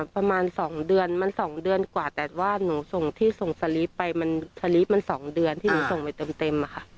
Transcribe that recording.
ประมาณ๒เดือนมัน๒เดือนกว่าแต่ว่าหนูส่งที่ส่งสลิปไปมันสลิปมัน๒เดือนที่หนูส่งไปเต็มอะค่ะ